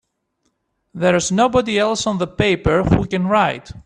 There's nobody else on the paper who can write!